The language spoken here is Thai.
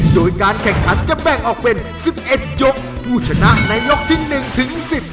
โดยการแข่งขันจะแบ่งออกเป็น๑๑ยกผู้ชนะในยกที่หนึ่งถึงสิบ